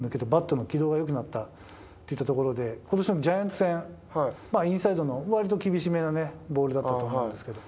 手の抜けとバットの軌道がよくなったっていったところでことしのジャイアンツ戦、インサイドのわりと厳しめのボールだったと思うんですけど。